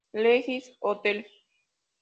Regis Hotel.